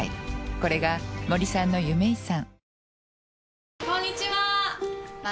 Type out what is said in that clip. これが森さんの夢遺産。